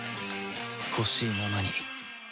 ほしいままに